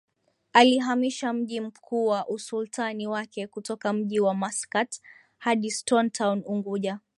alihamisha mji mkuu wa usultani wake kutoka mji wa Maskat hadi Stone Town Unguja